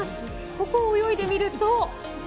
ここを泳いでみると。